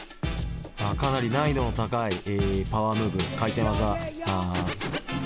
かなり難易度の高いパワームーブ回転技組み合わせてます。